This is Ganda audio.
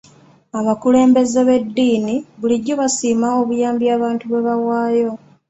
Abakulembeze b'eddiini bulijjo basiima obuyambi abantu bwe bawaayo.